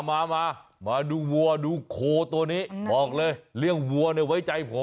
มามามาดูวัวดูโคตัวนี้บอกเลยเรื่องวัวเนี่ยไว้ใจผม